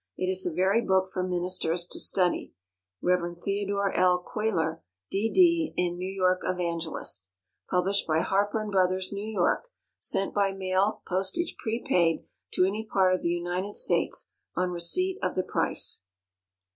It is the very book for ministers to study. Rev. THEODORE L. CUYLER, D.D., in New York Evangelist. Published by HARPER & BROTHERS, New York. _Sent by mail, postage prepaid, to any part of the United States, on receipt of the price.